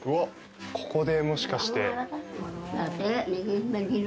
ここで、もしかして。